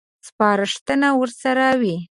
سپارښتنه ورسره وي.